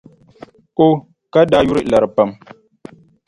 O ka daa yuri lari pam.